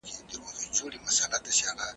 يعني د هغو اوو شپو د قضاء يادونه ئې وکړه.